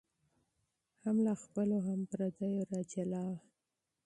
هم له خپلو هم پردیو را جلا وه